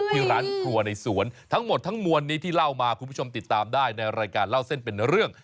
ที่ร้านครัวในสวนทั้งหมดทั้งมวลนี้ที่เล่ามาคุณผู้ชมติดตามได้ในรายการเล่าเส้นเป็นเรื่อง